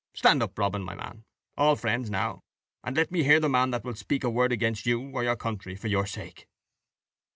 Stand up, Robin, my man, all friends now, and let me hear the man that will speak a word against you, or your country, for your sake."